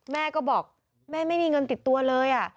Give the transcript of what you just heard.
แม่ก็บอกแม่ไม่มีเงินติดตัวเลย